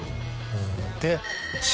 で。